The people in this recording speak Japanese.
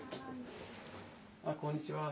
あこんにちは。